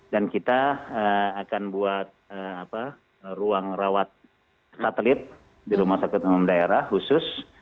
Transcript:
dan kita akan buat ruang rawat satelit di rumah sakit umum daerah khusus